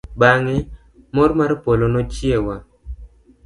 Bang'e, mor mar polo nochiewa.